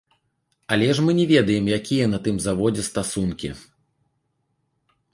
Але ж мы не ведаем, якія на тым заводзе стасункі.